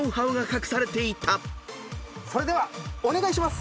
それではお願いします。